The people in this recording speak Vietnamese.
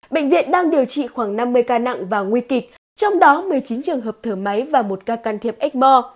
bệnh viện đang điều trị khoảng năm mươi ca nặng và nguy kịch trong đó một mươi chín trường hợp thở máy và một ca can thiệp ếchmore